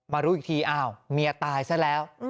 รู้อีกทีอ้าวเมียตายซะแล้ว